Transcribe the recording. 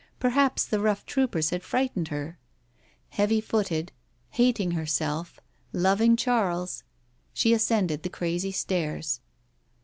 Perhaps the rough troopers had frightened her. Heavy footed, hating herself, loving Charles, she ascended the crazy stairs.